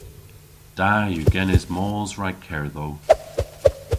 Da yw genes mos rag kerdhow.